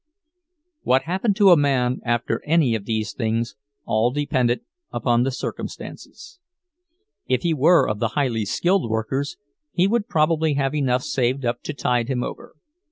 What happened to a man after any of these things, all depended upon the circumstances. If he were of the highly skilled workers, he would probably have enough saved up to tide him over.